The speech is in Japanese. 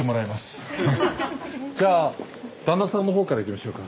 じゃあ旦那さんの方からいきましょうか。